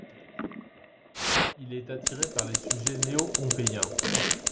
Il est attiré par les sujets Néo-Pompéien.